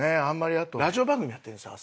あとラジオ番組やってるんですよ